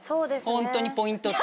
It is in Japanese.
ホントにポイントって。